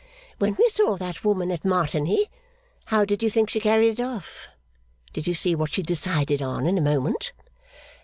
When we saw that woman at Martigny, how did you think she carried it off? Did you see what she decided on in a moment?